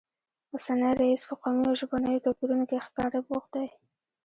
اوسنی رییس په قومي او ژبنیو توپیرونو کې ښکاره بوخت دی